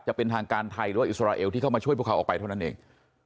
จะเป็นทางการไทยหรือว่าอิสราเอลที่เข้ามาช่วยพวกเขาออกไปเท่านั้นเอง